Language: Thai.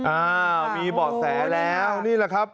อ้าวมีเบาะแสแล้วนี่แหละครับ